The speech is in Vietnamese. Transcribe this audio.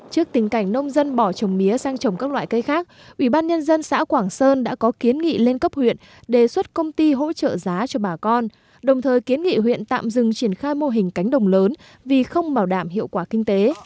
trước tình cảnh nông dân bỏ trồng mía sang trồng các loại cây khác ủy ban nhân dân xã quảng sơn đã có kiến nghị lên cấp huyện đề xuất công ty hỗ trợ giá cho bà con đồng thời kiến nghị huyện tạm dừng triển khai mô hình cánh đồng lớn vì không bảo đảm hiệu quả kinh tế